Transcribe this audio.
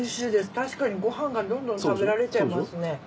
確かにご飯がどんどん食べられちゃいますね。